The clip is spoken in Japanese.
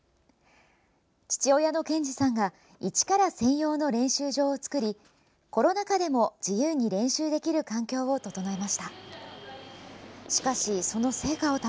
父親の健二さんが一から専用の練習場を作りコロナ禍でも自由に練習できる環境を整えました。